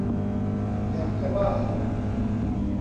อยากจะบ้า